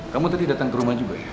kamu tadi datang ke rumah juga ya